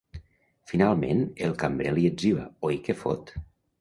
Finalment, el cambrer li etziba: Oi que fot?